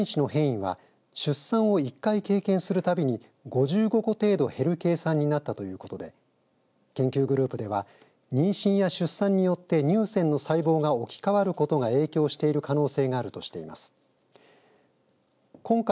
一方、こうした遺伝子の変異は出産を１回経験するたびに５５個程度減る計算になったということで研究グループでは妊娠や出産によって乳腺の細胞が置き換わることが影響している可能性があるとしています。